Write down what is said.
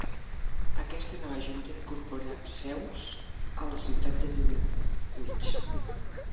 Aquesta nova junta incorpora seus a la ciutat de Dunwich.